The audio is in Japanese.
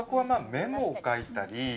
メモを書いたり。